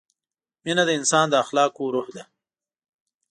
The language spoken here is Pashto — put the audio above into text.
مینه د انسان د اخلاقو روح ده.